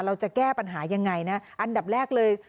เราจะแก้ปัญหายังไงนะอันดับแรกเลย